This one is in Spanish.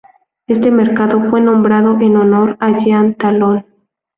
Este mercado fue nombrado en honor a Jean Talon.